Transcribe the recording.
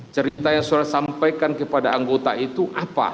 cerita yang sudah saya sampaikan kepada anggota itu apa